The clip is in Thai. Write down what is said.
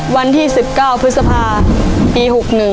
วันที่๑๙พฤษภาปี๖๑